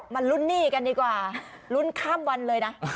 ลุ้นหนี้กันดีกว่าลุ้นข้ามวันเลยนะ